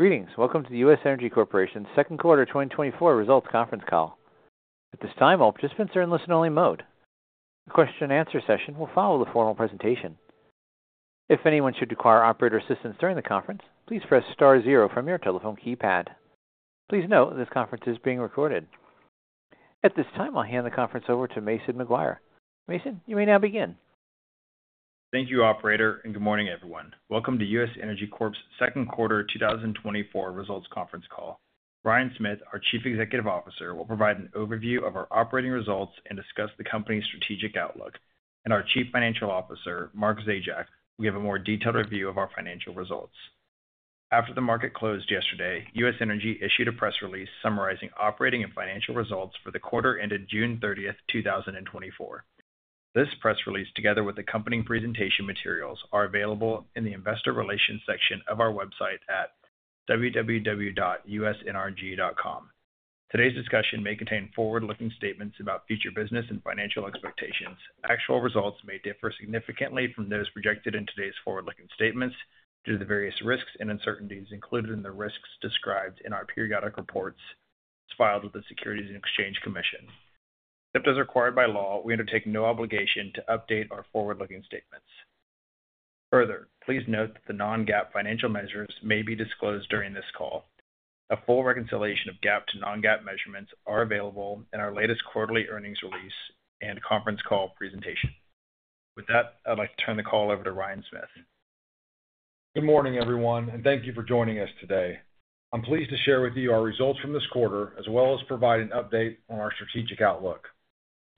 Greetings. Welcome to the U.S. Energy Corporation's Second Quarter 2024 Results Conference Call. At this time, all participants are in listen-only mode. The question-and-answer session will follow the formal presentation. If anyone should require operator assistance during the conference, please press star zero from your telephone keypad. Please note this conference is being recorded. At this time, I'll hand the conference over to Mason McGuire. Mason, you may now begin. Thank you, Operator, and good morning, everyone. Welcome to U.S. Energy Corp.'s Second Quarter 2024 Results Conference Call. Ryan Smith, our Chief Executive Officer, will provide an overview of our operating results and discuss the company's strategic outlook, and our Chief Financial Officer, Mark Zajac, will give a more detailed review of our financial results. After the market closed yesterday, U.S. Energy issued a press release summarizing operating and financial results for the quarter ended June 30, 2024. This press release, together with accompanying presentation materials, is available in the Investor Relations section of our website at www.usenergy.com. Today's discussion may contain forward-looking statements about future business and financial expectations. Actual results may differ significantly from those projected in today's forward-looking statements due to the various risks and uncertainties included in the risks described in our periodic reports filed with the Securities and Exchange Commission. Except as required by law, we undertake no obligation to update our forward-looking statements. Further, please note that the non-GAAP financial measures may be disclosed during this call. A full reconciliation of GAAP to non-GAAP measurements is available in our latest quarterly earnings release and conference call presentation. With that, I'd like to turn the call over to Ryan Smith. Good morning, everyone, and thank you for joining us today. I'm pleased to share with you our results from this quarter, as well as provide an update on our strategic outlook.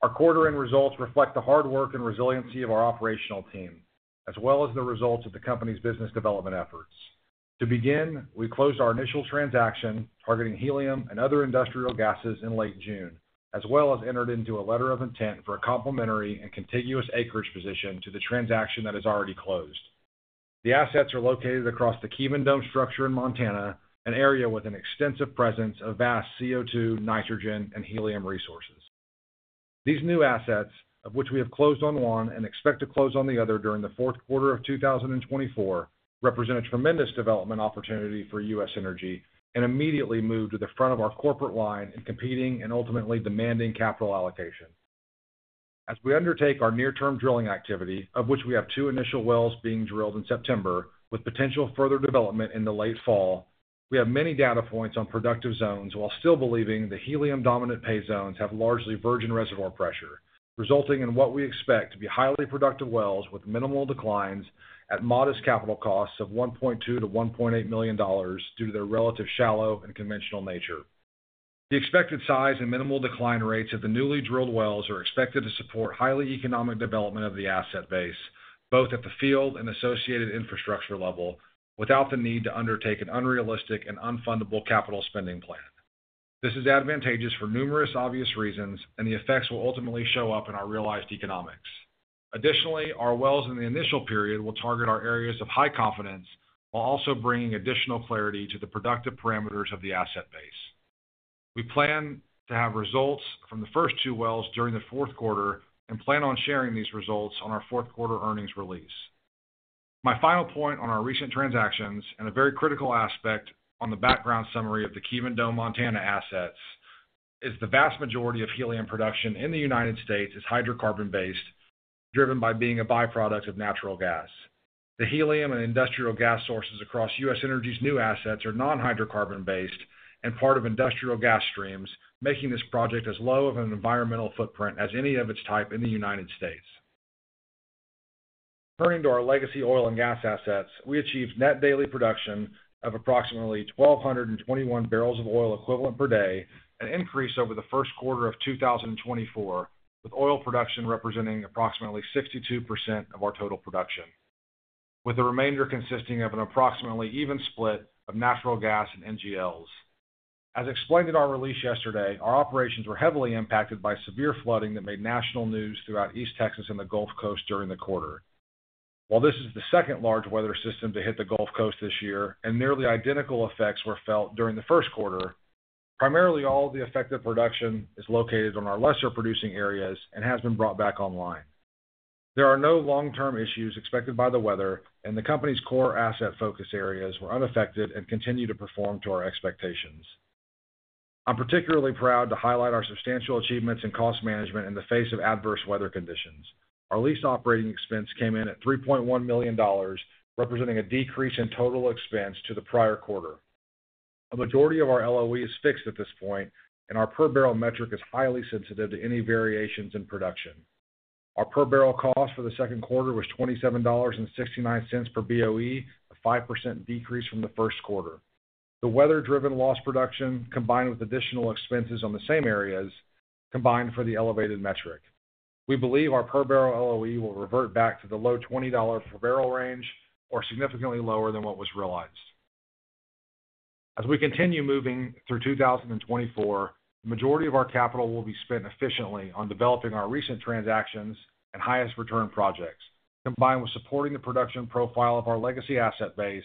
Our quarter-end results reflect the hard work and resiliency of our operational team, as well as the results of the company's business development efforts. To begin, we closed our initial transaction targeting helium and other industrial gases in late June, as well as entered into a letter of intent for a complementary and contiguous acreage position to the transaction that is already closed. The assets are located across the Kevin Dome structure in Montana, an area with an extensive presence of vast CO2, nitrogen, and helium resources. These new assets, of which we have closed on one and expect to close on the other during the fourth quarter of 2024, represent a tremendous development opportunity for U.S. Energy and immediately move to the front of our corporate line in competing and ultimately demanding capital allocation. As we undertake our near-term drilling activity, of which we have two initial wells being drilled in September with potential further development in the late fall, we have many data points on productive zones while still believing the helium-dominant pay zones have largely virgin reservoir pressure, resulting in what we expect to be highly productive wells with minimal declines at modest capital costs of $1.2-$1.8 million due to their relatively shallow and conventional nature. The expected size and minimal decline rates of the newly drilled wells are expected to support highly economic development of the asset base, both at the field and associated infrastructure level, without the need to undertake an unrealistic and unfundable capital spending plan. This is advantageous for numerous obvious reasons, and the effects will ultimately show up in our realized economics. Additionally, our wells in the initial period will target our areas of high confidence while also bringing additional clarity to the productive parameters of the asset base. We plan to have results from the first two wells during the fourth quarter and plan on sharing these results on our fourth quarter earnings release. My final point on our recent transactions and a very critical aspect on the background summary of the Kevin Dome, Montana assets is the vast majority of helium production in the United States is hydrocarbon-based, driven by being a byproduct of natural gas. The helium and industrial gas sources across U.S. Energy's new assets are non-hydrocarbon-based and part of industrial gas streams, making this project as low of an environmental footprint as any of its type in the United States. Turning to our legacy oil and gas assets, we achieved net daily production of approximately 1,221 barrels of oil equivalent per day, an increase over the first quarter of 2024, with oil production representing approximately 62% of our total production, with the remainder consisting of an approximately even split of natural gas and NGLs. As explained in our release yesterday, our operations were heavily impacted by severe flooding that made national news throughout East Texas and the Gulf Coast during the quarter. While this is the second large weather system to hit the Gulf Coast this year and nearly identical effects were felt during the first quarter, primarily all of the affected production is located on our lesser producing areas and has been brought back online. There are no long-term issues expected by the weather, and the company's core asset focus areas were unaffected and continue to perform to our expectations. I'm particularly proud to highlight our substantial achievements in cost management in the face of adverse weather conditions. Our lease operating expense came in at $3.1 million, representing a decrease in total expense to the prior quarter. A majority of our LOE is fixed at this point, and our per barrel metric is highly sensitive to any variations in production. Our per barrel cost for the second quarter was $27.69 per BOE, a 5% decrease from the first quarter. The weather-driven loss production, combined with additional expenses on the same areas, combined for the elevated metric. We believe our per barrel LOE will revert back to the low $20 per barrel range or significantly lower than what was realized. As we continue moving through 2024, the majority of our capital will be spent efficiently on developing our recent transactions and highest return projects, combined with supporting the production profile of our legacy asset base,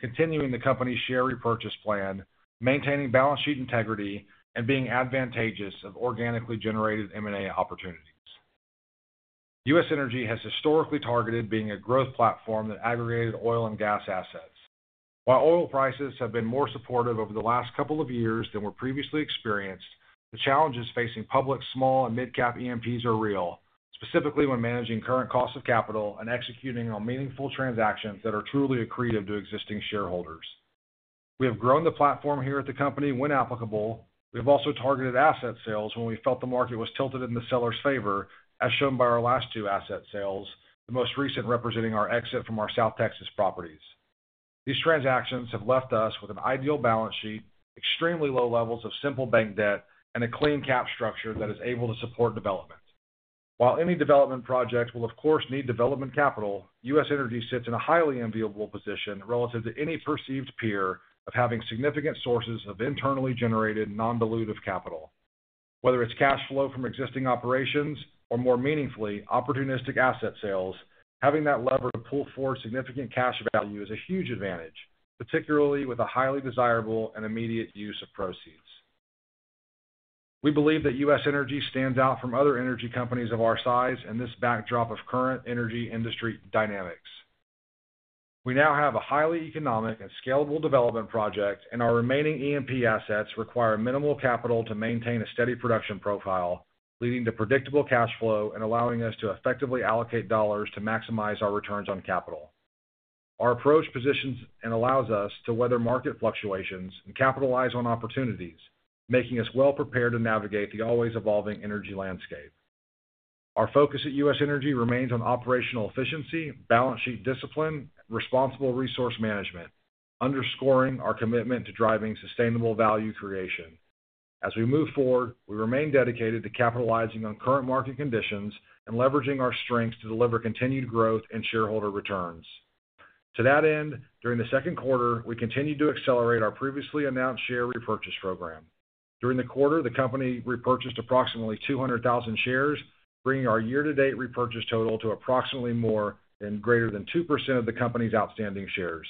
continuing the company's share repurchase plan, maintaining balance sheet integrity, and being advantageous of organically generated M&A opportunities. U.S. Energy has historically targeted being a growth platform that aggregated oil and gas assets. While oil prices have been more supportive over the last couple of years than were previously experienced, the challenges facing public small and mid-cap E&Ps are real, specifically when managing current costs of capital and executing on meaningful transactions that are truly accretive to existing shareholders. We have grown the platform here at the company when applicable. We have also targeted asset sales when we felt the market was tilted in the seller's favor, as shown by our last two asset sales, the most recent representing our exit from our South Texas properties. These transactions have left us with an ideal balance sheet, extremely low levels of simple bank debt, and a clean cap structure that is able to support development. While any development project will, of course, need development capital, U.S. Energy sits in a highly enviable position relative to any perceived peer of having significant sources of internally generated non-dilutive capital. Whether it's cash flow from existing operations or, more meaningfully, opportunistic asset sales, having that lever to pull forward significant cash value is a huge advantage, particularly with a highly desirable and immediate use of proceeds. We believe that U.S. Energy stands out from other energy companies of our size in this backdrop of current energy industry dynamics. We now have a highly economic and scalable development project, and our remaining E&P assets require minimal capital to maintain a steady production profile, leading to predictable cash flow and allowing us to effectively allocate dollars to maximize our returns on capital. Our approach positions and allows us to weather market fluctuations and capitalize on opportunities, making us well prepared to navigate the always-evolving energy landscape. Our focus at U.S. Energy remains on operational efficiency, balance sheet discipline, and responsible resource management, underscoring our commitment to driving sustainable value creation. As we move forward, we remain dedicated to capitalizing on current market conditions and leveraging our strengths to deliver continued growth and shareholder returns. To that end, during the second quarter, we continue to accelerate our previously announced share repurchase program. During the quarter, the company repurchased approximately 200,000 shares, bringing our year-to-date repurchase total to approximately more than 2% of the company's outstanding shares.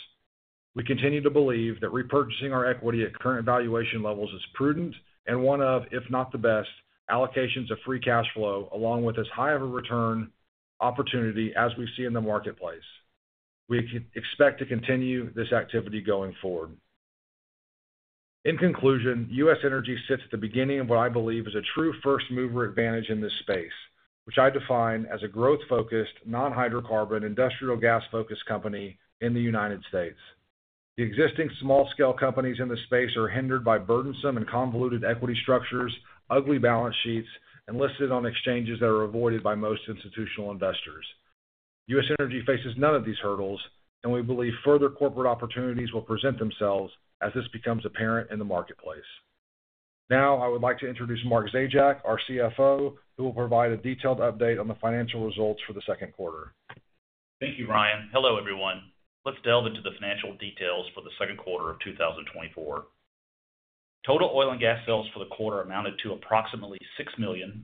We continue to believe that repurchasing our equity at current valuation levels is prudent and one of, if not the best, allocations of free cash flow along with as high of a return opportunity as we see in the marketplace. We expect to continue this activity going forward. In conclusion, U.S. Energy sits at the beginning of what I believe is a true first-mover advantage in this space, which I define as a growth-focused, non-hydrocarbon, industrial gas-focused company in the United States. The existing small-scale companies in the space are hindered by burdensome and convoluted equity structures, ugly balance sheets, and listed on exchanges that are avoided by most institutional investors. U.S. Energy faces none of these hurdles, and we believe further corporate opportunities will present themselves as this becomes apparent in the marketplace. Now, I would like to introduce Mark Zajac, our CFO, who will provide a detailed update on the financial results for the second quarter. Thank you, Ryan. Hello, everyone. Let's delve into the financial details for the second quarter of 2024. Total oil and gas sales for the quarter amounted to approximately $6 million,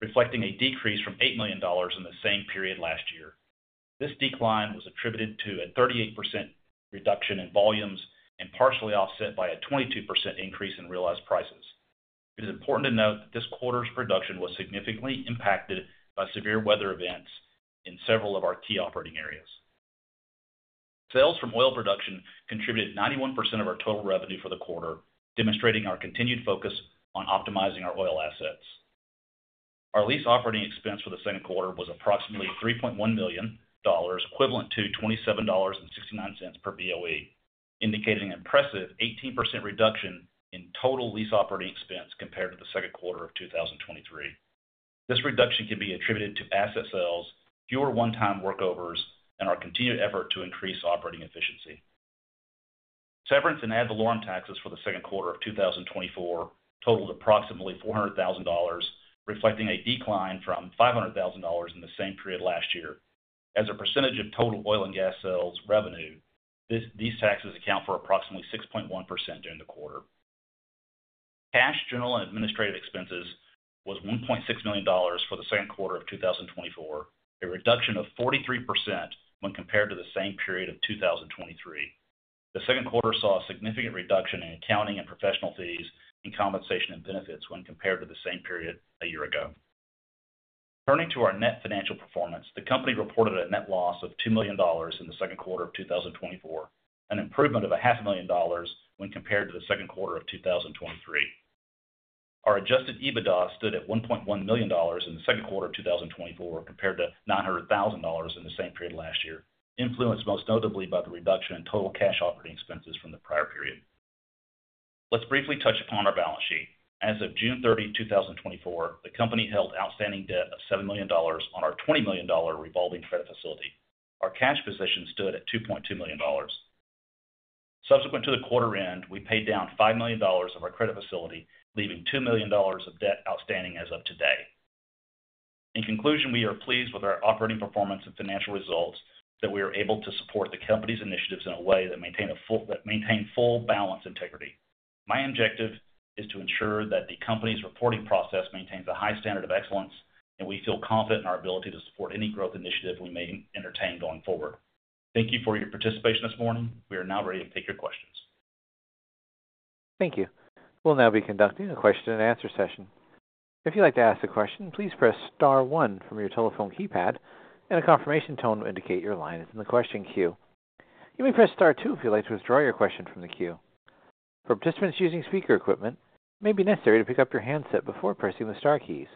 reflecting a decrease from $8 million in the same period last year. This decline was attributed to a 38% reduction in volumes and partially offset by a 22% increase in realized prices. It is important to note that this quarter's production was significantly impacted by severe weather events in several of our key operating areas. Sales from oil production contributed 91% of our total revenue for the quarter, demonstrating our continued focus on optimizing our oil assets. Our lease operating expense for the second quarter was approximately $3.1 million, equivalent to $27.69 per BOE, indicating an impressive 18% reduction in total lease operating expense compared to the second quarter of 2023. This reduction can be attributed to asset sales, fewer one-time workovers, and our continued effort to increase operating efficiency. Severance and ad valorem taxes for the second quarter of 2024 totaled approximately $400,000, reflecting a decline from $500,000 in the same period last year. As a percentage of total oil and gas sales revenue, these taxes account for approximately 6.1% during the quarter. Cash general and administrative expenses was $1.6 million for the second quarter of 2024, a reduction of 43% when compared to the same period of 2023. The second quarter saw a significant reduction in accounting and professional fees, and compensation and benefits when compared to the same period a year ago. Turning to our net financial performance, the company reported a net loss of $2 million in the second quarter of 2024, an improvement of $500,000 when compared to the second quarter of 2023. Our adjusted EBITDA stood at $1.1 million in the second quarter of 2024 compared to $900,000 in the same period last year, influenced most notably by the reduction in total cash operating expenses from the prior period. Let's briefly touch upon our balance sheet. As of June 30, 2024, the company held outstanding debt of $7 million on our $20 million revolving credit facility. Our cash position stood at $2.2 million. Subsequent to the quarter end, we paid down $5 million of our credit facility, leaving $2 million of debt outstanding as of today. In conclusion, we are pleased with our operating performance and financial results that we are able to support the company's initiatives in a way that maintain full balance integrity. My objective is to ensure that the company's reporting process maintains a high standard of excellence, and we feel confident in our ability to support any growth initiative we may entertain going forward. Thank you for your participation this morning. We are now ready to take your questions. Thank you. We'll now be conducting a question-and-answer session. If you'd like to ask a question, please press star one from your telephone keypad, and a confirmation tone will indicate your line is in the question queue. You may press star two if you'd like to withdraw your question from the queue. For participants using speaker equipment, it may be necessary to pick up your handset before pressing the star keys.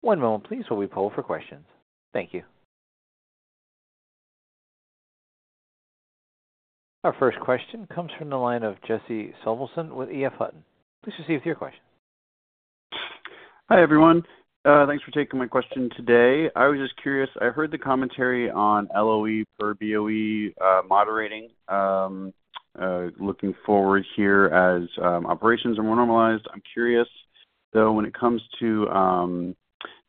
One moment, please, while we poll for questions. Thank you. Our first question comes from the line of Jesse Severson with EF Hutton. Please proceed with your question. Hi, everyone. Thanks for taking my question today. I was just curious. I heard the commentary on LOE per BOE moderating, looking forward here as operations are more normalized. I'm curious, though, when it comes to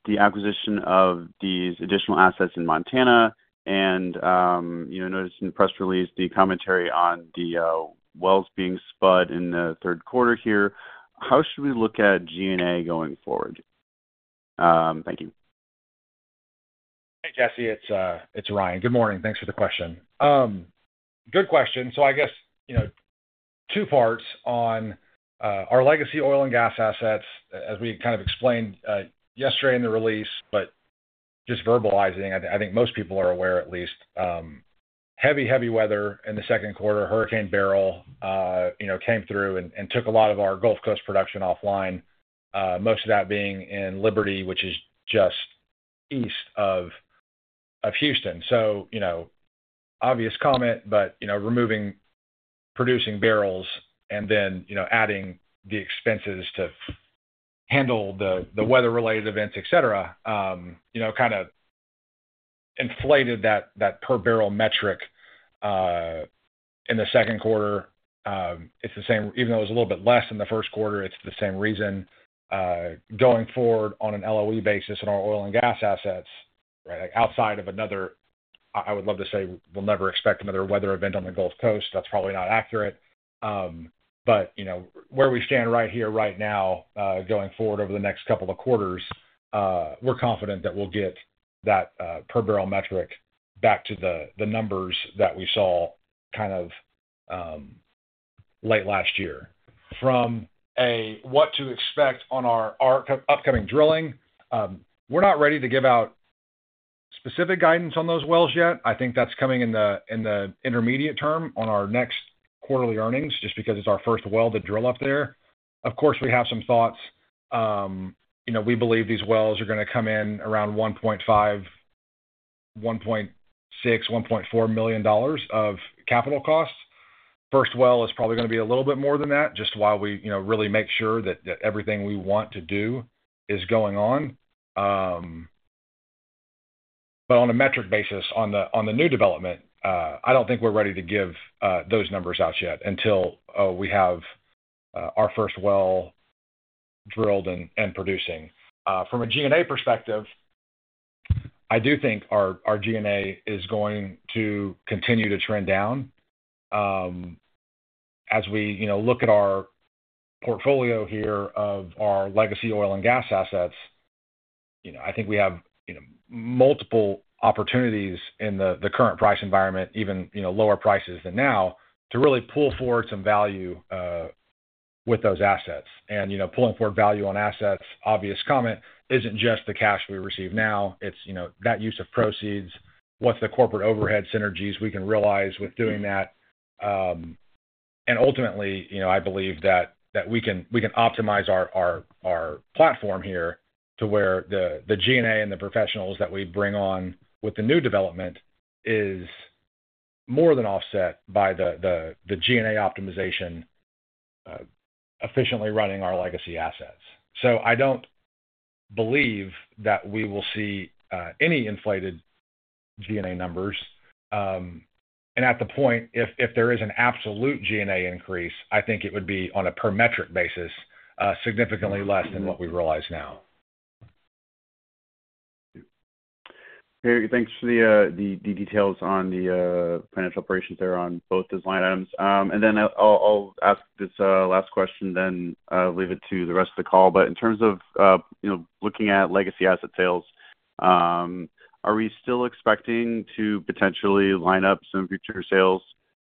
the acquisition of these additional assets in Montana and noticed in the press release the commentary on the wells being spudded in the third quarter here, how should we look at G&A going forward? Thank you. Hey, Jesse. It's Ryan. Good morning. Thanks for the question. Good question. So I guess two parts on our legacy oil and gas assets, as we kind of explained yesterday in the release, but just verbalizing, I think most people are aware at least. Heavy, heavy weather in the second quarter, Hurricane Beryl came through and took a lot of our Gulf Coast production offline, most of that being in Liberty, which is just east of Houston. So obvious comment, but removing producing barrels and then adding the expenses to handle the weather-related events, et cetera, kind of inflated that per barrel metric in the second quarter. It's the same. Even though it was a little bit less in the first quarter, it's the same reason. Going forward on an LOE basis on our oil and gas assets, outside of another, I would love to say we'll never expect another weather event on the Gulf Coast, that's probably not accurate. But where we stand right here, right now, going forward over the next couple of quarters, we're confident that we'll get that per barrel metric back to the numbers that we saw kind of late last year. From a what to expect on our upcoming drilling, we're not ready to give out specific guidance on those wells yet. I think that's coming in the intermediate term on our next quarterly earnings, just because it's our first well to drill up there. Of course, we have some thoughts. We believe these wells are going to come in around $1.5, $1.6, $1.4 million of capital costs. First well is probably going to be a little bit more than that, just while we really make sure that everything we want to do is going on. But on a metric basis, on the new development, I don't think we're ready to give those numbers out yet until we have our first well drilled and producing. From a G&A perspective, I do think our G&A is going to continue to trend down. As we look at our portfolio here of our legacy oil and gas assets, I think we have multiple opportunities in the current price environment, even lower prices than now, to really pull forward some value with those assets. And pulling forward value on assets, obvious comment, isn't just the cash we receive now. It's that use of proceeds, what's the corporate overhead synergies we can realize with doing that. Ultimately, I believe that we can optimize our platform here to where the G&A and the professionals that we bring on with the new development is more than offset by the G&A optimization efficiently running our legacy assets. I don't believe that we will see any inflated G&A numbers. At the point, if there is an absolute G&A increase, I think it would be on a per metric basis, significantly less than what we realize now. Thank you. Thanks for the details on the financial operations there on both design items. And then I'll ask this last question, then leave it to the rest of the call. But in terms of looking at legacy asset sales, are we still expecting to potentially line up some future sales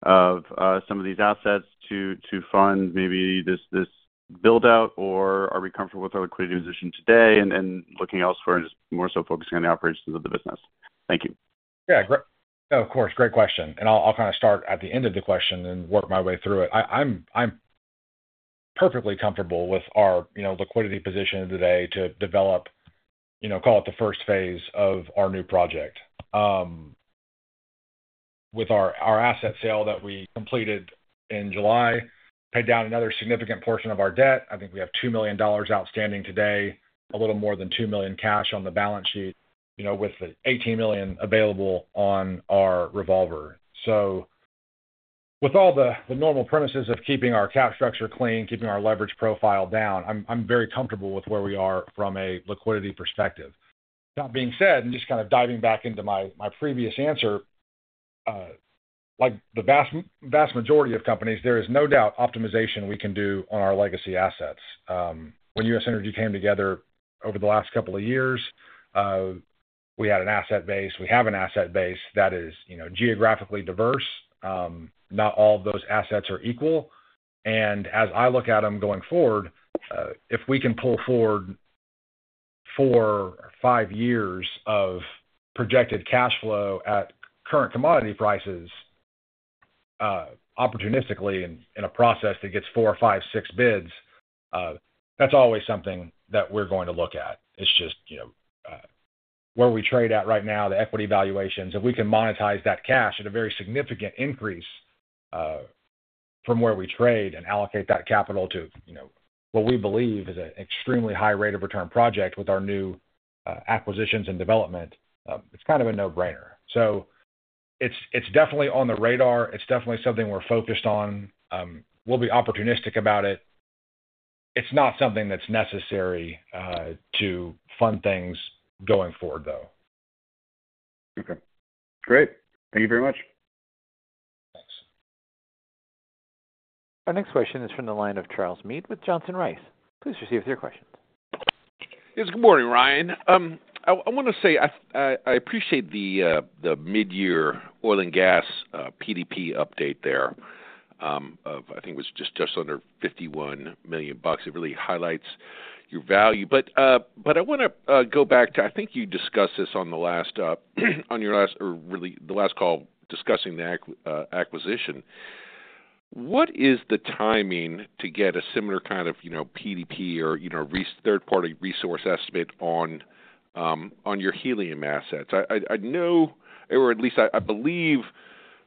of some of these assets to fund maybe this build-out, or are we comfortable with our liquidity position today and looking elsewhere and just more so focusing on the operations of the business? Thank you. Yeah. Of course. Great question. And I'll kind of start at the end of the question and work my way through it. I'm perfectly comfortable with our liquidity position today to develop, call it the first phase of our new project. With our asset sale that we completed in July, paid down another significant portion of our debt. I think we have $2 million outstanding today, a little more than $2 million cash on the balance sheet with the $18 million available on our revolver. So with all the normal premises of keeping our cash structure clean, keeping our leverage profile down, I'm very comfortable with where we are from a liquidity perspective. That being said, and just kind of diving back into my previous answer, like the vast majority of companies, there is no doubt optimization we can do on our legacy assets. When U.S. Energy came together over the last couple of years, we had an asset base. We have an asset base that is geographically diverse. Not all of those assets are equal. As I look at them going forward, if we can pull forward 4 or 5 years of projected cash flow at current commodity prices opportunistically in a process that gets 4, 5, 6 bids, that's always something that we're going to look at. It's just where we trade at right now, the equity valuations, if we can monetize that cash at a very significant increase from where we trade and allocate that capital to what we believe is an extremely high rate of return project with our new acquisitions and development, it's kind of a no-brainer. It's definitely on the radar. It's definitely something we're focused on. We'll be opportunistic about it. It's not something that's necessary to fund things going forward, though. Okay. Great. Thank you very much. Thanks. Our next question is from the line of Charles Meade with Johnson Rice. Please proceed with your questions. Yes. Good morning, Ryan. I want to say I appreciate the mid-year oil and gas PDP update there. I think it was just under $51 million. It really highlights your value. But I want to go back to, I think you discussed this on your last or really the last call discussing the acquisition. What is the timing to get a similar kind of PDP or third-party resource estimate on your helium assets? I know, or at least I believe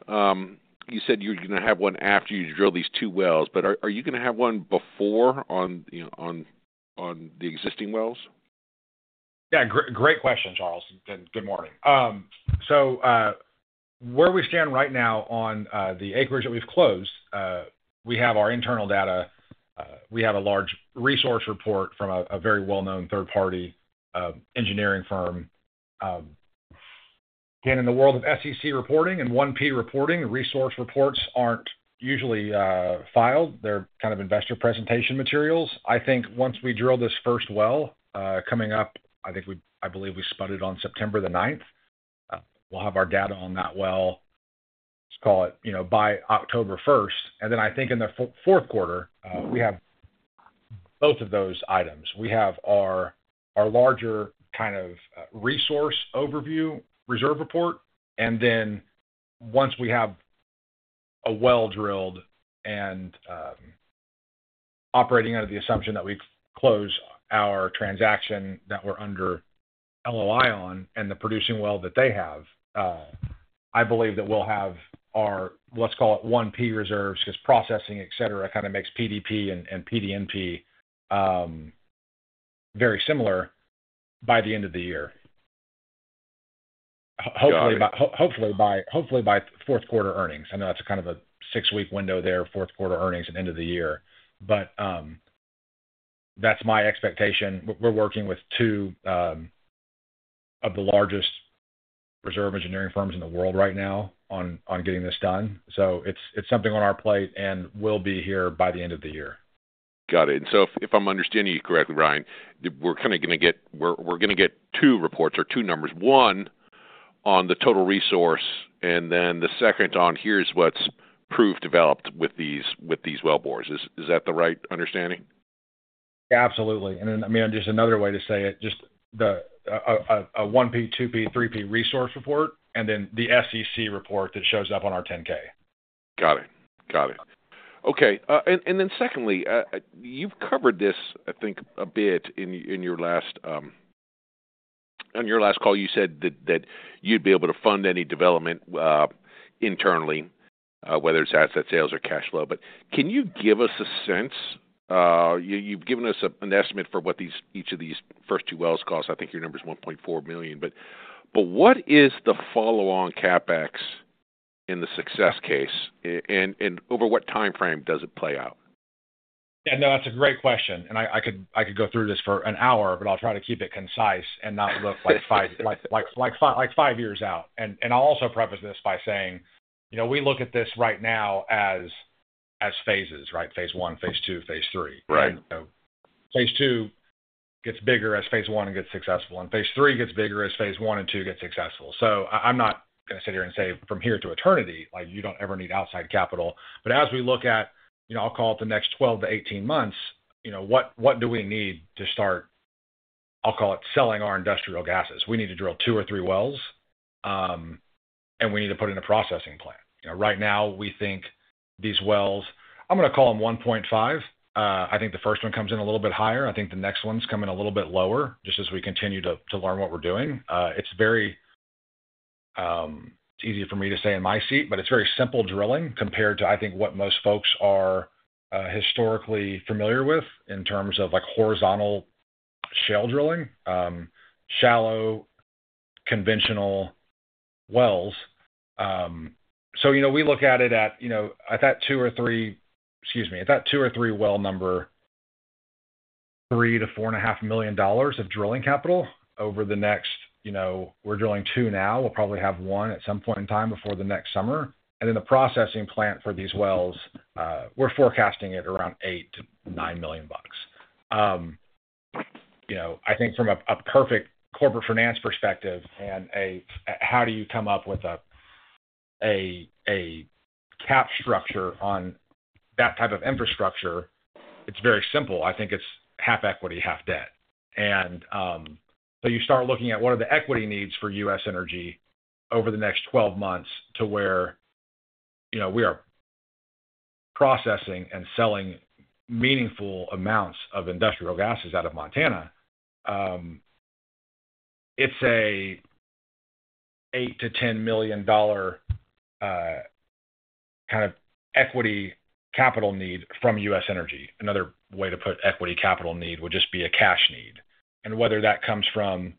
you said you're going to have one after you drill these two wells, but are you going to have one before on the existing wells? Yeah. Great question, Charles. Good morning. Where we stand right now on the acreage that we've closed, we have our internal data. We have a large resource report from a very well-known third-party engineering firm. Again, in the world of SEC reporting and 1P reporting, resource reports aren't usually filed. They're kind of investor presentation materials. I think once we drill this first well coming up, I think I believe we spun it on September the 9th. We'll have our data on that well, let's call it by October 1st. And then I think in the fourth quarter, we have both of those items. We have our larger kind of resource overview reserve report, and then once we have a well drilled and operating under the assumption that we close our transaction that we're under LOI on and the producing well that they have, I believe that we'll have our, let's call it 1P reserves because processing, et cetera, kind of makes PDP and PDNP very similar by the end of the year. Hopefully by fourth quarter earnings. I know that's kind of a six-week window there, fourth quarter earnings and end of the year. But that's my expectation. We're working with two of the largest reserve engineering firms in the world right now on getting this done. So it's something on our plate and will be here by the end of the year. Got it. And so if I'm understanding you correctly, Ryan, we're kind of going to get two reports or two numbers. One on the total resource and then the second on here's what's proved developed with these wellbores. Is that the right understanding? Absolutely. And I mean, just another way to say it, just a 1P, 2P, 3P resource report, and then the SEC report that shows up on our 10-K. Got it. Got it. Okay. And then secondly, you've covered this, I think, a bit in your last call, you said that you'd be able to fund any development internally, whether it's asset sales or cash flow. But can you give us a sense? You've given us an estimate for what each of these first two wells costs. I think your number is $1.4 million. But what is the follow-on CapEx in the success case? And over what timeframe does it play out? Yeah. No, that's a great question. And I could go through this for an hour, but I'll try to keep it concise and not look like 5 years out. And I'll also preface this by saying we look at this right now as phases, right, phase I, phase II, phase III. So phase II gets bigger as phase I gets successful, and phase III gets bigger as phase I and II get successful. So I'm not going to sit here and say from here to eternity, you don't ever need outside capital. But as we look at, I'll call it the next 12-18 months, what do we need to start, I'll call it selling our industrial gases? We need to drill two or three wells, and we need to put in a processing plant. Right now, we think these wells, I'm going to call them $1.5 million. I think the first one comes in a little bit higher. I think the next one's coming a little bit lower just as we continue to learn what we're doing. It's very easy for me to say in my seat, but it's very simple drilling compared to, I think, what most folks are historically familiar with in terms of horizontal shale drilling, shallow conventional wells. So we look at it at, at that two or three excuse me, at that two or three well number, $3 million-$4.5 million of drilling capital over the next we're drilling two now. We'll probably have 1 at some point in time before the next summer. And then the processing plant for these wells, we're forecasting it around $8 million-$9 million bucks. I think from a perfect corporate finance perspective and a how do you come up with a capital structure on that type of infrastructure, it's very simple. I think it's half equity, half debt. And so you start looking at what are the equity needs for U.S. Energy over the next 12 months to where we are processing and selling meaningful amounts of industrial gases out of Montana. It's an $8 million-$10 million kind of equity capital need from U.S. Energy. Another way to put equity capital need would just be a cash need. Whether that comes from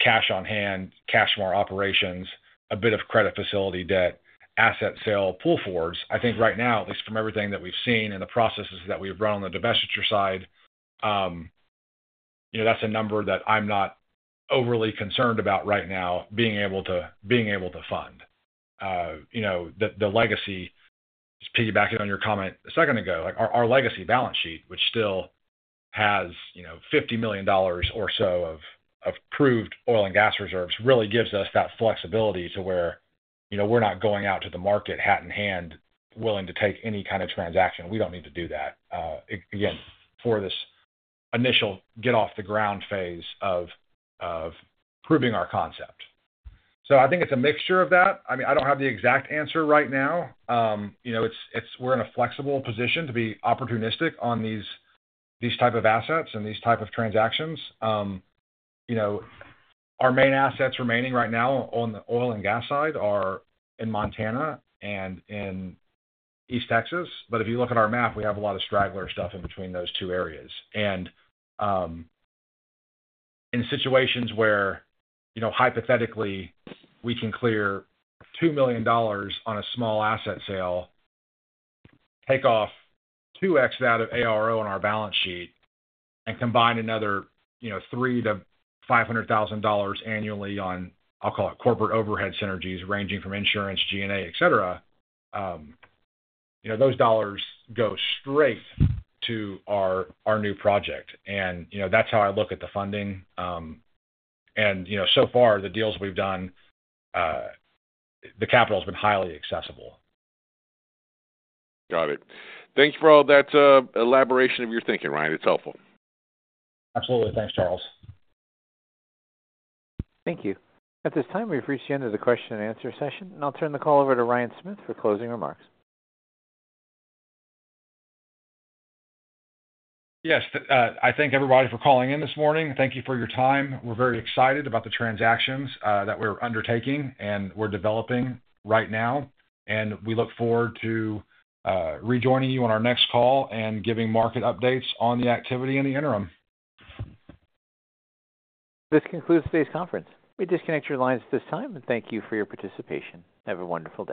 cash on hand, cash from operations, a bit of credit facility debt, asset sale proceeds, I think right now, at least from everything that we've seen and the processes that we've run on the divestiture side, that's a number that I'm not overly concerned about right now being able to fund. The legacy, just piggybacking on your comment a second ago, our legacy balance sheet, which still has $50 million or so of proved oil and gas reserves, really gives us that flexibility to where we're not going out to the market hat in hand willing to take any kind of transaction. We don't need to do that, again, for this initial get off the ground phase of proving our concept. So I think it's a mixture of that. I mean, I don't have the exact answer right now. We're in a flexible position to be opportunistic on these type of assets and these type of transactions. Our main assets remaining right now on the oil and gas side are in Montana and in East Texas. But if you look at our map, we have a lot of straggler stuff in between those two areas. And in situations where hypothetically we can clear $2 million on a small asset sale, take off 2x that of ARO on our balance sheet, and combine another $300,000-$500,000 annually on, I'll call it, corporate overhead synergies ranging from insurance, G&A, et cetera, those dollars go straight to our new project. And that's how I look at the funding. And so far, the deals we've done, the capital has been highly accessible. Got it. Thank you for all that elaboration of your thinking, Ryan. It's helpful. Absolutely. Thanks, Charles. Thank you. At this time, we've reached the end of the question and answer session, and I'll turn the call over to Ryan Smith for closing remarks. Yes. I thank everybody for calling in this morning. Thank you for your time. We're very excited about the transactions that we're undertaking and we're developing right now. We look forward to rejoining you on our next call and giving market updates on the activity in the interim. This concludes today's conference. We disconnect your lines at this time. Thank you for your participation. Have a wonderful day.